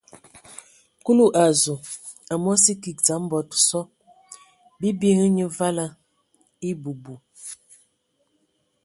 Kulu a zu, amu a sə kig dzam bɔ tə so: bii bi hm nye vala ebu bu.